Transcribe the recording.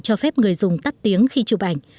cho phép người dùng tắt tiếng khi chụp ảnh